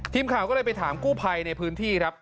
ทีมข่าวก็เลยไปถามกู้ภัยในพื้นที่ครับ